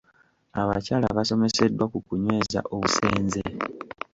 Abakyala basomeseddwa ku kunyweeza obusenze.